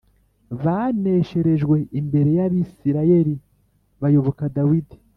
banesherejwe imbere y Abisirayeli bayoboka Dawidi